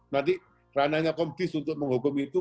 nanti ranahnya komis untuk menghukum itu